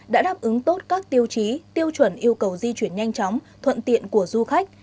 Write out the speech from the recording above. đã đáp ứng tốt các tiêu chí tiêu chuẩn yêu cầu di chuyển nhanh chóng thuận tiện của du khách